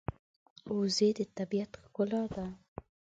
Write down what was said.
وزې د طبیعت ښکلا ده